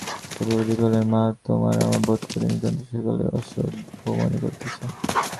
চক্রবর্তী কহিলেন, মা, তোমরা আমাকে বোধ করি নিতান্ত সেকেলে অসভ্য মনে করিতেছ।